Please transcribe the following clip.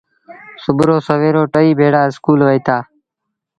سڀو رو سويرو ٽئيٚ ڀيڙآ اسڪول وهيٚتآ۔